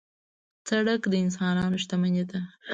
سړک د انسانانو شتمني ده.